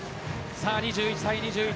２１対２１。